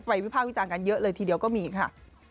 วิภาควิจารณ์กันเยอะเลยทีเดียวก็มีค่ะ